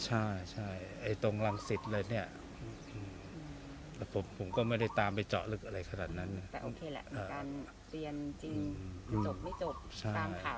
ใช่ใช่ไอ้ตรงรังสิตเลยเนี้ยแต่ผมผมก็ไม่ได้ตามไปเจาะลึกอะไรขนาดนั้นน่ะ